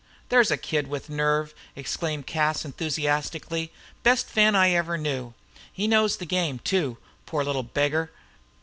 "There's a kid with nerve!" exclaimed Cas, enthusiastically. "Best fan I ever knew. He knows the game, too. Poor little beggar!"